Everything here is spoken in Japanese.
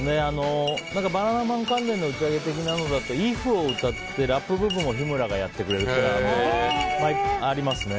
バナナマン関係の打ち上げ的なのだと「ｉｆ・・・」を歌ってラップ部分を日村がやってくれたりというのはありますね。